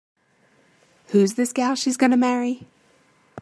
Who's this gal she's gonna marry?